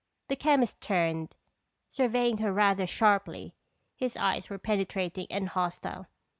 The chemist turned, surveying her rather sharply. His eyes were penetrating and hostile.